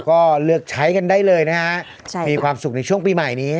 ก็เลือกใช้กันได้เลยนะฮะมีความสุขในช่วงปีใหม่นี้